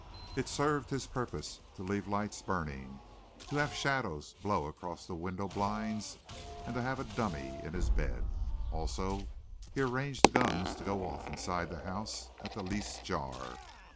It had served his purpose to leave lights burning, to have shadows blow across the window blinds, and to have a dummy in his bed. Also, he arranged guns to go off inside the house at the least jar.